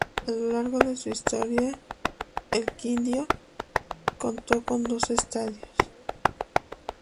A lo largo de su historia el Quindío contó con dos estadios.